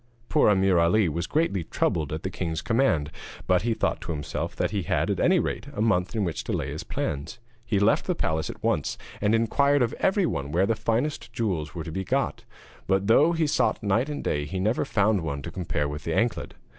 Poor Ameer Ali was greatly troubled at the king's command, but he thought to himself that he had, at any rate, a month in which to lay his plans. He left the palace at once, and inquired of everyone where the finest jewels were to be got; but though he sought night and day he never found one to compare with the anklet.